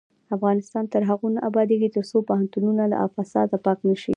افغانستان تر هغو نه ابادیږي، ترڅو پوهنتونونه له فساده پاک نشي.